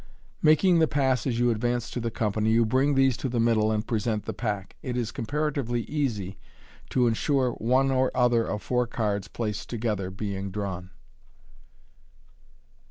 Making the pass as you advance to the company, you bring these to the middle and present the pack. It is comparatively easy to insure one or other of four cards placed together being drawn.